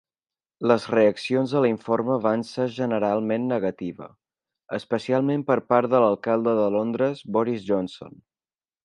Les reaccions a l'informe van ser generalment negativa, especialment per part de l'alcalde de Londres, Boris Johnson.